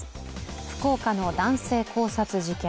福岡の男性絞殺事件。